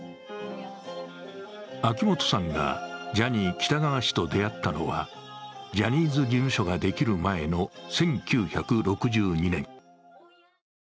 秋本さんがジャニー喜多川氏と出会ったのは、ジャニーズ事務所が出来る前の１９６２年。